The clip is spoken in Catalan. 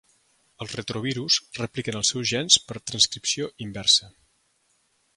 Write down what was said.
Els retrovirus repliquen els seus gens per transcripció inversa.